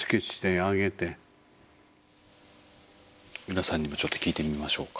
皆さんにもちょっと聞いてみましょうか。